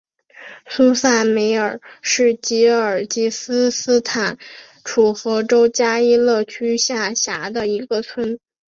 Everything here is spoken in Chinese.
苏萨梅尔是吉尔吉斯斯坦楚河州加依勒区下辖的一个村。